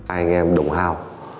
hai anh em đồng hao